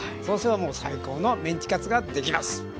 そうすればもう最高のメンチカツができます！